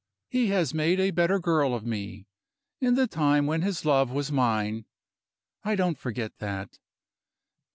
He has made a better girl of me, in the time when his love was mine. I don't forget that.